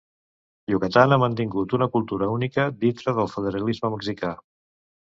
Yucatán ha mantingut una cultura única dintre del federalisme mexicà.